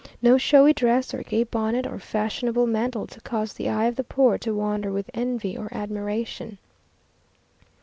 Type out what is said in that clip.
No showy dress, or gay bonnet, or fashionable mantle to cause the eye of the poor to wander with envy or admiration.